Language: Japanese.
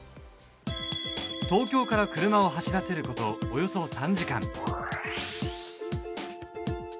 東京から車を走らせることおよそ３時間。